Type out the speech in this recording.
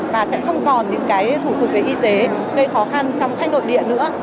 và sẽ không còn những cái thủ tục về y tế gây khó khăn trong khách nội địa nữa